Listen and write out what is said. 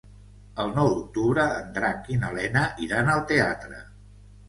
El nou d'octubre en Drac i na Lena iran al teatre.